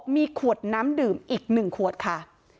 มีขวดน้ำดื่มอีก๑ขวดค่ะ